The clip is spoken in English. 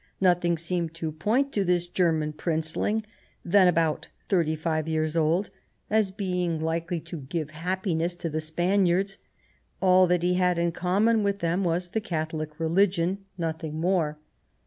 Nothing seemed to 118 The War of 1870 point to this German Princeling, then about thirty five years old, as being likely to give happiness to the Spaniards ; all that he had in common with them was the Catholic religion, nothing more.